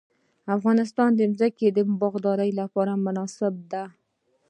د افغانستان ځمکه د باغدارۍ لپاره مناسبه ده